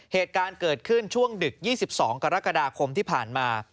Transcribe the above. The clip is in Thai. เหตุการณ์เกิดขึ้นช่วงดึก๒๒กรกฎาคมที่ผ่านมา